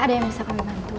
ada yang bisa kami bantu